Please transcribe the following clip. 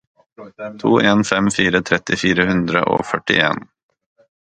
to en fem fire tretti fire hundre og førtien